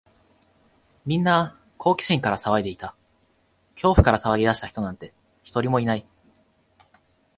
みんな好奇心から騒いでいた。恐怖から騒ぎ出した人なんて、一人もいない。